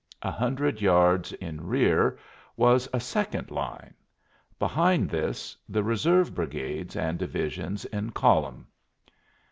A hundred yards in rear was a second line; behind this, the reserve brigades and divisions in column.